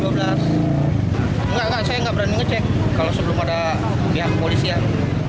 enggak enggak saya enggak berani ngecek kalau sebelum ada pihak kepolisian